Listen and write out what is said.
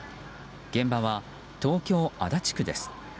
現場は東京・足立区です。